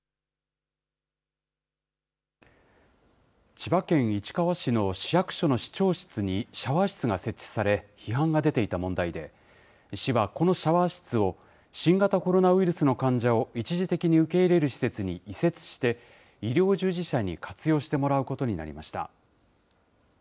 千葉県市川市の市役所の市長室にシャワー室が設置され、批判が出ていた問題で、市はこのシャワー室を、新型コロナウイルスの患者を一時的に受け入れる施設に移設して、医療従事者に活用してもらうことになりました。